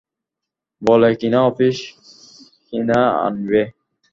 বলে কিনা আফিম কিনে আনবে।